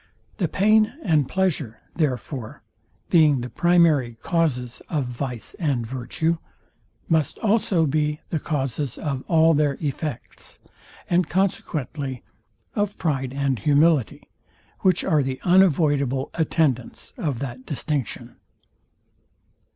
The pain and pleasure, therefore, being the primary causes of vice and virtue, must also be the causes of all their effects, and consequently of pride and humility, which are the unavoidable attendants of that distinction.